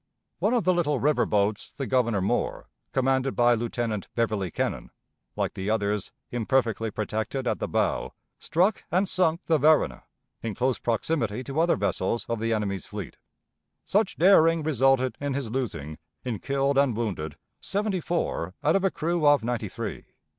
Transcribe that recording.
One of the little river boats, the Governor Moore, commanded by lieutenant Beverly Kennon, like the others, imperfectly protected at the bow, struck and sunk the Varuna, in close proximity to other vessels of the enemy's fleet. Such daring resulted in his losing, in killed and wounded, seventy four out of a crew of ninety three.